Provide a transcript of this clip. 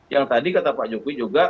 yang tadi kata pak jokowi juga